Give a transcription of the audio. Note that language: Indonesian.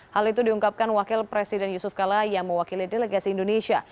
hal itu diungkapkan wakil presiden yusuf kala yang mewakili delegasi indonesia